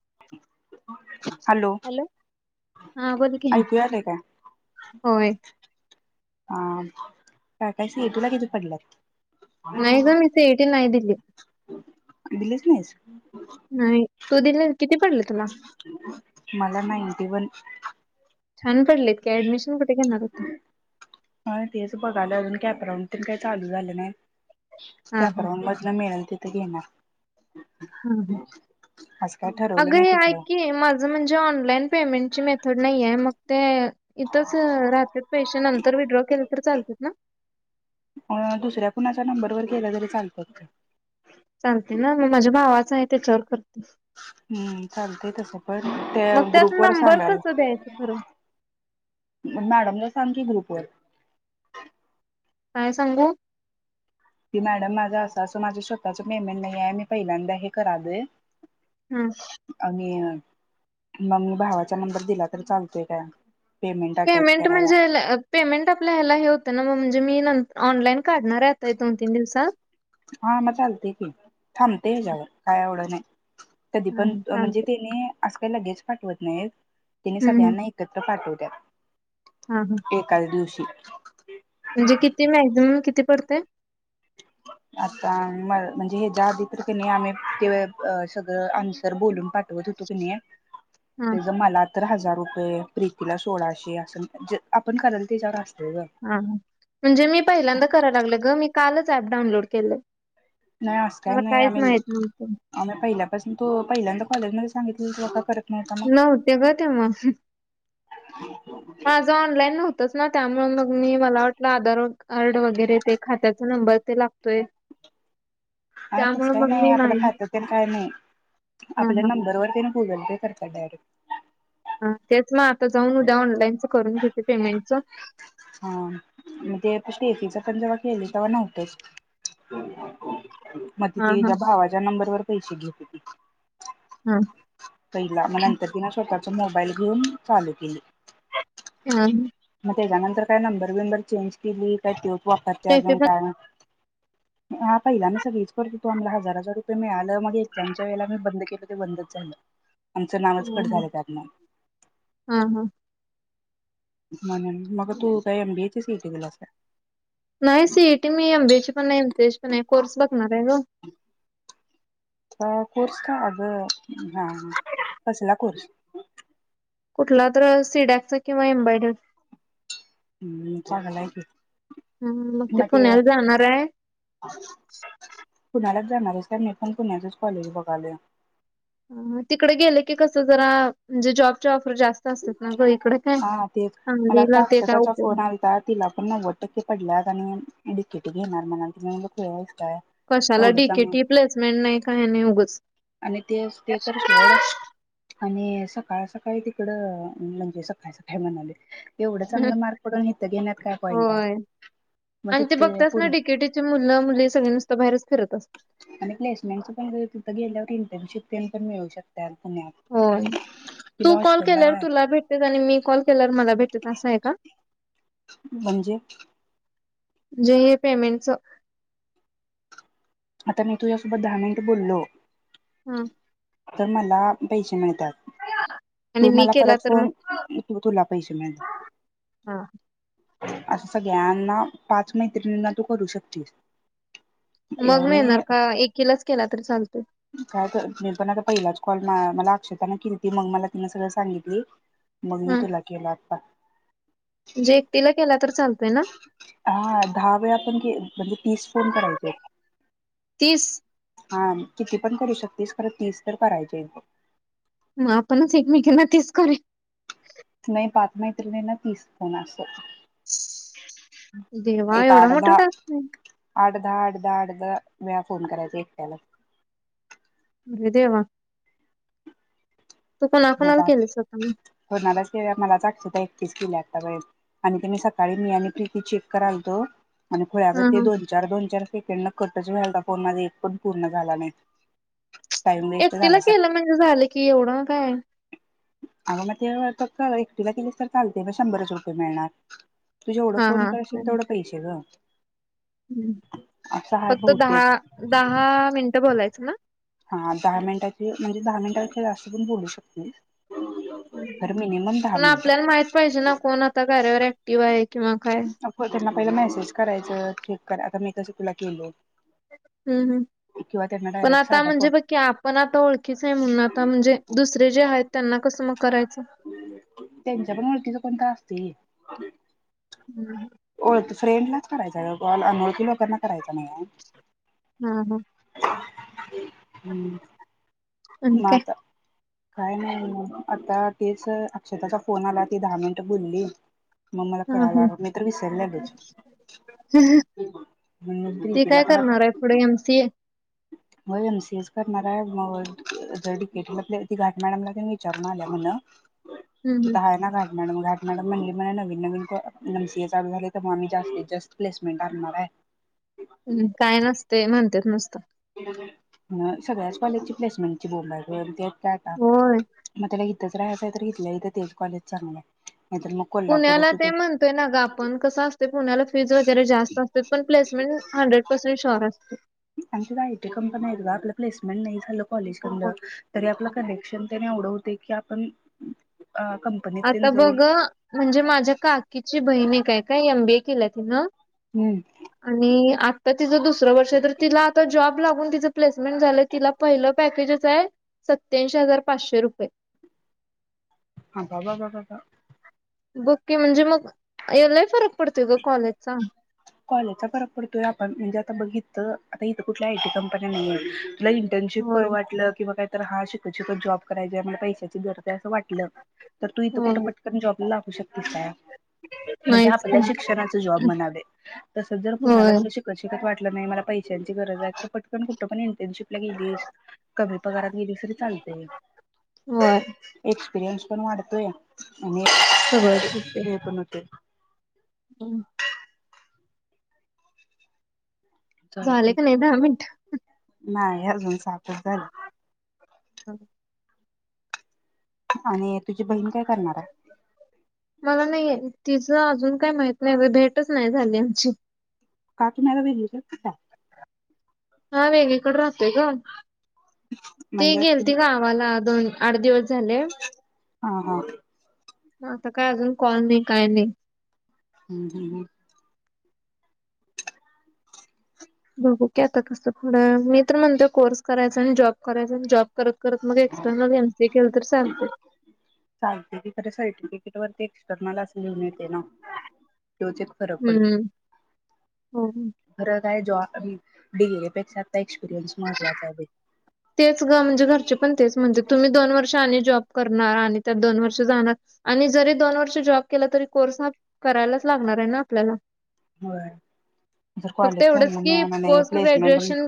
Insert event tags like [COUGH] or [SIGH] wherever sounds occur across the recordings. [INAUDIBLE] Hello! हा बोल की ऐकू आलंय काय होय! ह काय काय सीईटी ला किती पडलेत? नाही ग मी सी. ई. टी नाही दिली! दिलेच नाहीस.. नाही! तो दिला मला ना एटी- वन छान पडलेत की ऍडमिशन कुठे घेणार आता? कॅप राऊंड काही चालू झालं ना! हा कॅप राऊंडला मिळेल तिथं घेणार ह असं काय ठरवलं अग नाही हे ऐ कुठलं की माझ म्हणजे ऑनलाइन पेमेंटची मेथड नाहीये मग ते इथंच राहतात पैसे नंतर विथड्रॉ केले तर चालतात ना! दुसऱ्या कुणाच्या नंबर वर गेला तरी चालतोय! चालते ना मग माझ्या भावा जाय त्याच्यावर कर! हम्म चालतय तस! पण त्या मग त्यात ग्रुप वर नंबर सांगाल! कसं द्यायचं खरं मॅडमला सांगते ग्रुप! होय. काय सांगू? की मॅडम माझा असं असं माझं स्वतःच पेमेंट नाही आहे! मी पहिल्यांदा हे करालो हा आम्ही मग मी भावाच्या नंबर दिला तर चालतोय काय? अटॅच पेमेंट करायला म्हणजे पेमेंट आपल्या ह्याला हे होतं ना म म्हणजे मी ऑनलाईन काढणार आता दोन तीन दिवसात! हा म चालतय की थांबते हा याच्यावर! काय एवढं नाही! कधी हा पण म्हणजे चालतंय तेने अस काही लगेच पाठवत नाहीत तिने हम्म हम्म सगळ्यांना एकत्र पाठव हां, हां. [INAUDIBLE] एकाच दिवशी [INAUDIBLE] म्हणजे किती मॅक्झिमम किती? पडतय आता म म्हणजे ह्याच्या आधी तर त्यांनी आम्ही सगळं आन्सर बोलून पाठ तु हां, ते जमला [UNINTELLIGIBLE] तर हजार रुपये प्रितीला सोळाशे असं आपण कराल त्याच्यावरती असतय. हा म्हणजे मी पहिल्यांदा करायला लागल ग मी कालच ऍप डाऊनलोड केले. नाही अस काय नाही आम्ही नव्हतं. आम्ही पहिल्या तो पहिल्यांदा कॉलेज मध्ये सांगितलं परत नव ते का ते म [UNINTELLIGIBLE] ह [INAUDIBLE] माझं ऑनलाईन होतच ना त्यामुळे मग मी मला वाटत आपल आधार कार्ड वगैरे ते खात्याचा नंबर ते लागतोय. हा तच त्यामुळे काही मग मी नाही आपल्या खात्या काय नाही हां, आपल्या हां, नंबरवर कन स्ूडल ते करकड [UNINTELLIGIBLE] त्या मग आता जाऊन उद्या ऑनलाईनचं करून घेते. पेमेंटच हा मग ते पीजीच पण जेव्हा केले तेव्हा नव्हतेच मग हां, हां, तेझ्या भावाच्या नंबरवर क शगे हा पहिला मग नंतर तिनं स्वतःच मोबाईल घेऊन चालू केली. हम. मग त्याच्यानंतर काय नंबर विंबर चेंज केली काय तो वापरत्या स्टेफी अजून पण काय माहित हा पहिला मी सगळीच करतो होतो, आम्हाला हजार हजार रुपये मिळालं मग एक्झामच्या वेळेला म बंद केलं ते बंदच झालं. आमचं नावच हां, कट हां, झालं त्यातन हां, हां. म्ह मग तू काय एम बी ए ची सी ई टी दिलास काय नाही सी ई टी मी एम बी ची पण नाही एम सी पण नाही आहे कोर्स बघणार आहे ग अ कोर्स का अग हा कसला कोर्स कुठला तर सिडॅक चा किंवा एम्ब्रायडल हम् चांगलं हाय की हम् मग ते पुण्याला जाणार आहे. तू जाणार हायस काय मी पण पुण्यातच कॉलेज बघालोय. अम तिकडे गेले की कस जरा म्हणजे जॉबच्या ऑफर जास्त असतात ना [UNINTELLIGIBLE] हा हा तेच, मला सांगलीला आता ते काय अक्षताचा उपयोग फोन आलता तिला पण नव्वद टक्के पडल्यात आणि इडकीिटकीी नारमल अंत न [UNINTELLIGIBLE] कशाला डी के टी प्लेसमेंट नाही काही नाही उगच. आणि तेच ते तर सोड आणि सकाळ सकाळी तिकडं म्हणजे स कायस काय म्हणालेय. [UNINTELLIGIBLE] पॉईंट आहे. होय मग आणि ते तिथे बघतेस ना डी पुन्हा के टी ची मुलं, मुली सगळे नुसत बाहेरच- फिरत अस आणि प्लेसमेंटच पण ग तिथं गेल्यावर इंटर्नशिप तेन पण मिळू शकते. होय, तू कॉल हॉस्टेलला केल्यावर राहा तुला भेटतेत, आणि मी कॉल केल्यावर मला भेट तिथं आसं आहे का? म्हणजे? जे हे पेमेंटच. आता मी तुझ्यासोबत दहा मिनिट बोललो, हा तर मला पैशे नाय त्यात, आणि तू मी मला केला परत तर मग फोन तू तुला पैसे मिळ हा असं सगळ्यांना पाच मैत्रिणींना तू करू शकती. मग मिळणार का, एकीलाच केला तरी चालतोय? नाय मला अक्षता न केलीती मग मला तिन सगळं सांगितली. मग मी हम, तुला केला आता म्हणजे एकटीला केला तर चालतोय ना? हां, दहा वेळा पण के म्हणजे तीस फोन करायचे आहेत. तीस हा, किती पण करू शकतीस खरं तीस तर करायचे आहेत बग. म आपणच एकमेकीना तीस करुया. नाही पाच मैत्रिणीना ना तीस फोन आसं. देवा एक एवढा आठ मोठा दहा टास्क हं? आठ, दहा, आठ, दहा वेळा फोन करायचा एकट्याला. रे देवा. तू कोणा कोणाला केलेस आता मग? कोणालाच केला मलाच [UNINTELLIGIBLE] आक्षदा एक- एकटीच केलिया [UNINTELLIGIBLE] आता पर्यंत आणि मी सकाळी मी आणि प्रीती चेक करायचो आणि हा खुळ्यागत ते हा दोन-चार, दोन-चार. तिकडंन कटच व्हालता फोन माझा एक पण पूर्ण झाला नाही. टाइम वेस्ट एकटीला झाला केलं म्हणजे झालं कि एवढं काय. आग म ते फक्त एकटीला केलीस तर चालतय ब शंभरच रुपये मिळणार. तू जेवढं हा फोन करशील तेवढं पैसे ग. ह् असं हाय फक्त दहा बहुतेक दहा मिनटं बोलायचं ना? हा दहा मिनिटाची म्हणजे दहा मिनिटा पेक्षा जास्त पण बोलू शकतीस. पण आपल्याला माहित पाहिजे ना कोण आता कार्यावर ऍक्टिव्ह आहेत. किंवा काय पहिलं मेसेज करायचं क्लिक करा आता मी तसं तुला केल हम् हम् पण डायरेक्ट आता साधा म्हणजे बघकी आपण आता ओळखीच आहे म्हणून आता म्हणजे दुसरे जे आहेत त्यांना कसं मग करायचं? त्यांच्या पण वळतीचा कोणता असत ते हम्म ओळ फ्रेंडलाच करायचा अनोळखी लोकांना करायचा नाही आहे हा हम हम्म आणि ना काय? आता काय नाही म आता तेच अक्षताचा फोन आला ती दहा मिनट बुोलली मममला हा हा कळाला म तर्र विसरलंच म्ह मत्री ती पिला काय पण आता करणार आहे पुढे एमसीए हो एमसी एस करणार आहे जडडीिकेट आप ति घाट मॅडमला त्यां विचारून आल्या म्हण हम्म तुथ हम्म. आहे ना घा मॅडम घाट मॅडम म्हणली म्ह नवीन नवीन एम सी झाले तर म्ी जास्तीत जास्त प्लेसमेंट आणणार आहे हम्म काय नसते म्हणतेेत नुसतं सगळ्याच कॉलेजची प्लेसमेंटची बोंबायक त्या कायटा होय मतला आहे तर घेतलं इथं तेज कॉलेज चांगलं नाहीतर मग पुण्याला कोल्हापूरच ते म्हणतोय ना ग आपण कसं असते पुण्याला फीज वगैरे जास्त असते पण प्लेसमेंट हंड्रेड पर्सेंट श्यअर असते आयटी कंपनी आहे आपलं प्लेसमेंट नाही झालं कॉ हो. तरी आप कनेक्शनव क आपण अ कंपनीत तेन आता जाऊन बघ म्हणजे माझ्या काकीची बहिणी काय काययम बेील तिन हम्म आणि आ तिचं दुसरं वर्ष आहे तर तिला आता जॉब ला त प्समेंट झा तिला पहि पकेज आहे सत्या हजार पाचशे रुपये हा बाबा दटा का बुककी म्हणजे मग यालाही फरक पडते ग कॉलेजचा कॉलेजचा फरक पडतोय आपण म्हणजे आता बघित आता इथं कुठल्या आयटी कंपन्या नाही आहेत इंटर्नशिप होय. करू वाटलं किंवा का तर हा शिक शिक जॉब करायच्या म्ह पैाची गरज वाटलं तर तू इथं कुठं होय पटकन जॉब ला ठीकय म्हणजे नाहीच की आपल्या शिक्षणाचे जॉब म्हणावे तसच जर पुुणाला होय. तु शिकय श वाटल नाही मला ची गरज आहे तर पटकण कुठ पण इंटर्नशिपला गेलीस कमी पगारात गेली तरी चालतेय होय पिरियनस पण वाढतोय आणि हे पण होतंय हम् झाले चालतंय का की नाही दहा मिनिट? अजून साातच झालं आणि तुझी बहीण काय करणार आहे मला नाही आहे तिचं अजून काही माहत नाही भेटच नाही झाली आमची काटूनला व हा वेगळीकड राहतोय ग ते म्हणजे गेलती तुम्ही गावाला दोन आठ दिवस झाले ह ह आता काय अजून कॉल नाही काय नाही हम् बघू क आता कसं पुढं मी तर म्हणतो कोर्स करायचा आणि जॉब करायचा जॉब करत करत मग एक्सटर्नल एनसी केलं तर चालतय चालतय की सर्टिफिकेट वरती एक्स्टर्नल असं लिहलय त्योच एक फरक पडतो हम्म हो. खरं एक्सपिरिय्स महत्वाचा आहे बाई तेच ग म्हणजे घरचे पण तेच म्हणते तुम्ही दोन वर्ष आणि जॉब करणार आणि त्यात तुम्ही दोन वर्ष आणि जॉब करणार आणि त्यात दोन वर्ष जाणार आणि जरी जॉब केला तरी कोर्स हा करायलाच लागणार आहे ना आपल्याला होय जर फक्त कॉलेज एवढच चांगलं की मिळालं नाही post placement graduation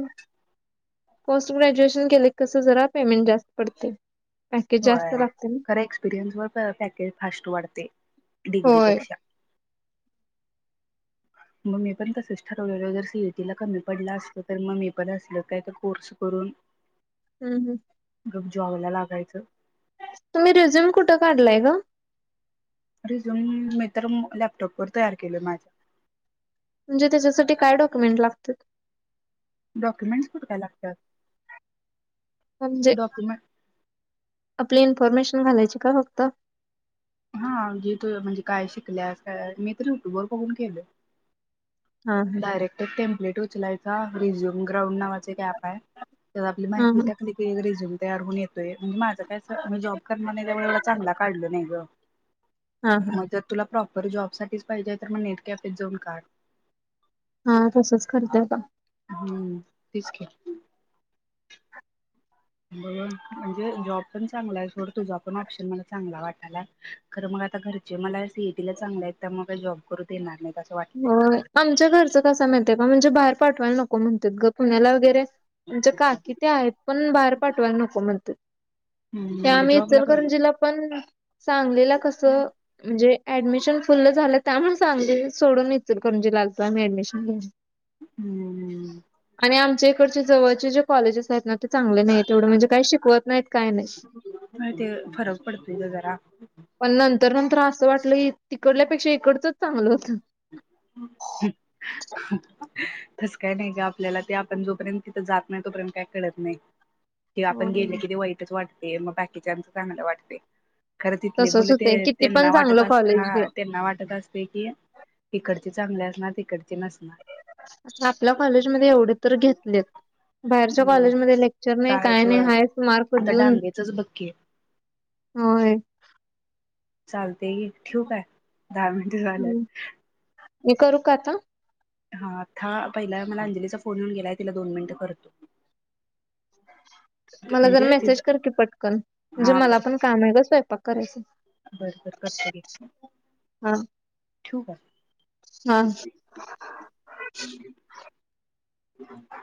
post graduation कस जरा पेमेंट जास्त पडतय होय खरं एक्सपिरियन्स वर पॅकेज फास्ट वाढते होय डिग्रीपेक्षा मी पण तसंच ठरवलेलं जर सीइटी कमी पडला असतो तर मी पण असलं कोर्स करून हम्म हम्म गप जॉबला लागायचं तुम्ही रिझ्युम कुठे काढलाय ग रिझूम मी तर लॅपटॉप तयार केलं माझ्या म्हणजे त्याच्यासाठी काय डॉक्युमेंट लागतेत डॉक्युमेंट्स कुठ काय लागतात म्हणजे डॉक्युमेंट आपली इन्फॉर्मेशन घालायची का फक्त हा जे त म्हणजे काय शिकल्यास काय मी तर युट्यूब वर बघून केल हा हा डयरेक्ट टेप्ले चलाय रिझ्यूम ग्रउं ना काय आपली हा माहिती टाकली क वगैरे झ तेर हो माझ काय जॉब करणार नाही त्या एवढ चांगला काढलं नाही ग हा हा मग तुला प्र जॉब साठीच पाहिजे तर मग नेट कॅफे जाऊन काढ हा तसच करतय का हम्म तेच की ब म्हणजे जॉब प चांला आहेोड तुझ पण पशन मला चांला वातं खर मग आता घरचे मला सीएटी ला चांगले आहेत त्या मग जॉब करू देणार नाही हो आमच्या घरचं कस माहित म्हणजे बाहेर पाठवायला नको म्हणतात ग पुण्याला वगैरे आमच्या काकी ते आहेत पण बाहेर पाठवायला नको म्हणते हम्म त्या मग आम्ही जॉबला इचल कारं पण जिला पण चांगलेला कस म्हणजे ऍडमिशन फुल झालं त्याण सांग सोडूनच म्हणजे लागतय मी ऍडमिशन घेऊन हम्म आणि आमच्या इकडचे जवळचे जे कॉलेजेस आहेत ना चांगले नाही तेवढ म्हणजे काही शिकवत नाहीत काय नाही ते फरक पडतोय ग जरा पण न तर नंतर असं वाटलं की तिकडल्यापेक्षा इकडचंच चांगलं होतं [INAUDIBLE] फसकाय नाही का आपल्याला ते आपण जोपर्यंत तिथं जात नाही तोपर्यंत काय कळत नाही ते आपण होय. गेले कि ते वाईटच वाटत ते मग बाकीच्यांत चांगला वाटते खरं तिथले तसंच बोोल होतंय ते किती पण त्यांना वाटत चांगलं अस कॉलेज घे हा त्यांना वाटत असते की ते करते चांग ना आपल्या कॉलेजमध्येध्ये एवढे तर घेत ले बाहेरच्या हम्म कॉलेजमध्येध्ये लेक्चर नाही काय कायच नाही होय हायट मार्क आता देऊन डांगेचच बघ की होय चाल ते ठूक आहे दहा मिनट झालेत मी करू का आता हा आथा पहिला मला अंजलीचा फोन येऊन गेलाय तिला दोन मिनिटं करतो. मला जरा म्हणजे तिज मेसेज कर की पटकन म्हणजे मला पण काम आहे ग स्वयंपाक करायचय. बर, कर करतो घे. हा ठिवू का? हा. [UNINTELLIGIBLE]